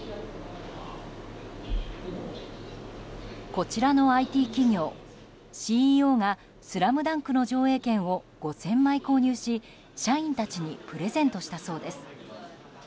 こちらのＩＴ企業ＣＥＯが「ＳＬＡＭＤＵＮＫ」の上映券を５０００枚購入し社員たちにプレゼントしたそうです。